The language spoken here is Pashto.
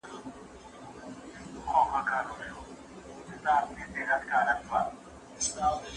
نوي تولیدي عوامل به اقتصاد ته وده ورکړي.